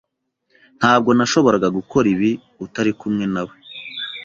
Ntabwo nashoboraga gukora ibi utari kumwe nawe